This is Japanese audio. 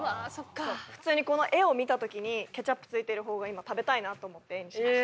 普通にこの画を見た時にケチャップついてる方が今食べたいなと思って。